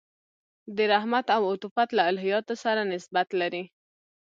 د رحمت او عطوفت له الهیاتو سره نسبت لري.